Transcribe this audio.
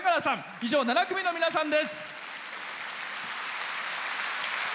以上７組の皆さんです。